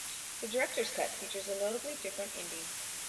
The director's cut features a notably different ending.